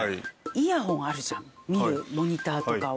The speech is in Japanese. イヤホンあるじゃん見るモニターとかを。